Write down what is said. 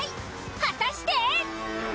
果たして！？